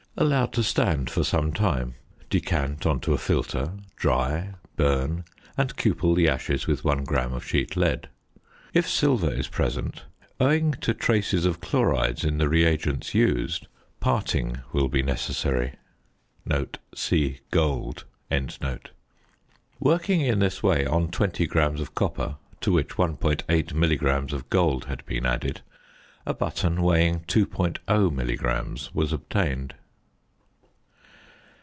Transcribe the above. Allow to stand for some time, decant on to a filter, dry, burn, and cupel the ashes with 1 gram of sheet lead. If silver is present, owing to traces of chlorides in the re agents used, "parting" will be necessary. (See Gold.) Working in this way on 20 grams of copper, to which 1.8 milligram of gold had been added, a button weighing 2.0 milligrams was obtained.